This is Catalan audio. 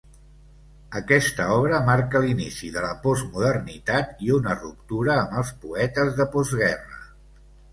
Aquesta obra marca l'inici de la postmodernitat i una ruptura amb els poetes de postguerra.